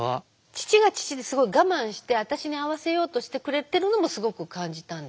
父は父ですごい我慢して私に合わせようとしてくれてるのもすごく感じたんです。